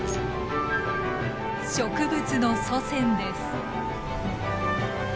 植物の祖先です。